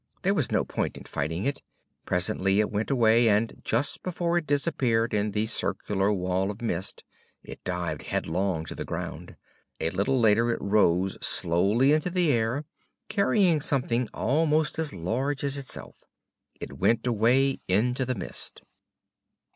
There was no point in fighting it. Presently it went away, and just before it disappeared in the circular wall of mist it dived headlong to the ground. A little later it rose slowly into the air, carrying something almost as large as itself. It went away into the mist.